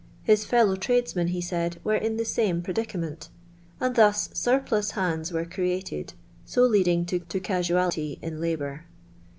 His fellow tradesmen, he said, were in the same predicament ; and thus •nrplui hands were created, so leading to casualty in labonr.